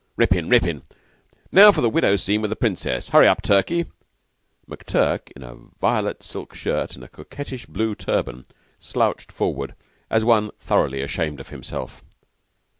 "Rippin'! Rippin'! Now for the Widow's scene with the Princess. Hurry up, Turkey." McTurk, in a violet silk skirt and a coquettish blue turban, slouched forward as one thoroughly ashamed of himself.